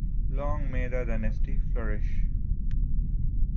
Long may the dynasty flourish.